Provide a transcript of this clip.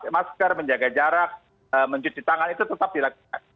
masker menjaga jarak mencuci tangan itu tetap dilakukan